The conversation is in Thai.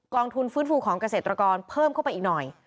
องทุนฟื้นฟูของเกษตรกรเพิ่มเข้าไปอีกหน่อย